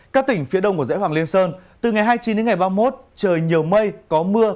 các tỉnh phía đông của dãy hoàng liên sơn từ ngày hai mươi chín đến ngày ba mươi một trời nhiều mây có mưa